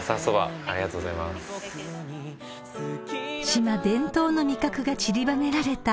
［島伝統の味覚がちりばめられた］